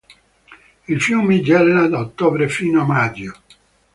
Il fiume gela da ottobre fino a maggio.